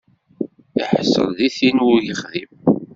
Iḥṣel di tin ur ixdim.